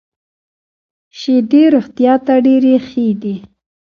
شیدې روغتیا ته ډېري ښه دي .